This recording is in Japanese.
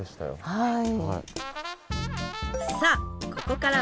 はい。